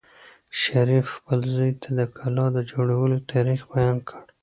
شریف خپل زوی ته د کلا د جوړولو تاریخ بیان کړ.